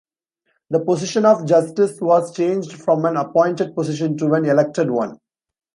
The position of justice was changed from an appointed position to an elected one.